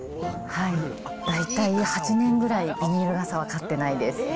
大体８年ぐらいビニール傘は買ってないです。